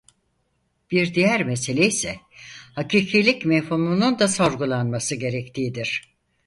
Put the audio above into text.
Bir diğer meseleyse "hakikilik" mefhumunun da sorgulanması gerektiğidir.